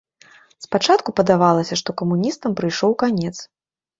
Спачатку падавалася, што камуністам прыйшоў канец.